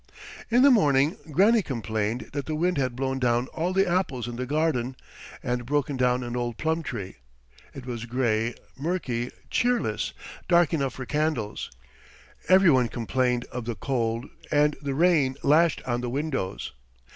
In the morning Granny complained that the wind had blown down all the apples in the garden, and broken down an old plum tree. It was grey, murky, cheerless, dark enough for candles; everyone complained of the cold, and the rain lashed on the windows.